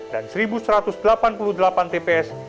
dan satu satu ratus delapan puluh delapan tps